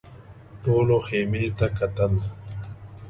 ټولو خيمې ته کتل.